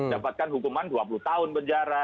dapatkan hukuman dua puluh tahun penjara